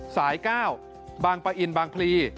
๙บางปะอินบางพลี